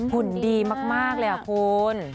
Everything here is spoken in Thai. หุ่นดีมากเลยคุณ